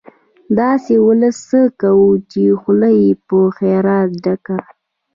داسې ولس څه کوو، چې خوله يې په خيرات ډکه